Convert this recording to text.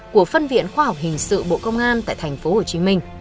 của phân viện khoa học hình sự bộ công an tại tp hcm